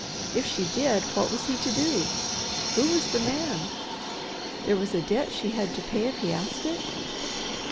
If she did, what was he to do? Who was the man? There was a debt she had to pay if he asked it?